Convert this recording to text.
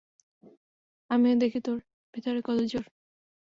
আমিও দেখি তোর ভিতরে কত জোর।